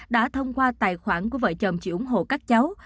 đã thông qua tài khoản của vợ chồng chị ủng hộ các cháu